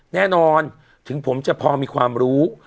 แน่นอนถึงผมจะพอมีความรู้